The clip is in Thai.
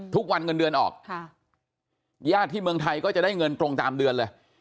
เงินเดือนออกญาติที่เมืองไทยก็จะได้เงินตรงตามเดือนเลย